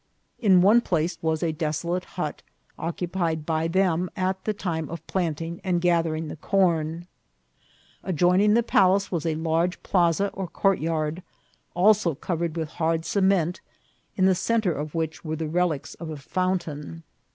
In one place was a desolate hut, occupied by them at the time of planting and gathering the corn. Adjoining the palace was a large plaza or courtyard, also covered with hard cement, in the centre of which were the relics of a fount ain.